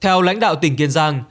theo lãnh đạo tỉnh kiên giang